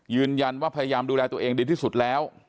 ยืนยันว่าพยายามดูแลตัวเองดีที่สุดแล้ว